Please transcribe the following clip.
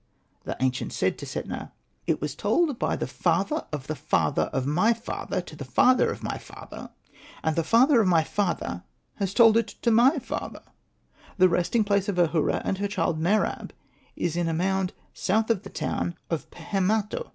" The ancient said to Setna, " It was told by the father of the father of my father to the father of my father, and the father of my father has told it to my father ; the resting place of Ahura and of her child Mer ab is in a mound south of the town of Pehemato